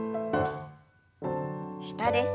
下です。